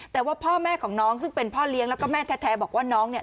แต่ว่าพ่อแม่ของน้องซึ่งเป็นพ่อเลี้ยงแล้วก็แม่แท้บอกว่าน้องเนี่ย